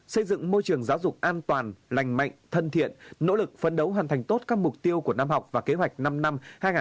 xây dựng môi trường giáo dục an toàn lành mạnh thân thiện nỗ lực phân đấu hoàn thành tốt các mục tiêu của năm học và kế hoạch năm năm hai nghìn hai mươi hai nghìn hai mươi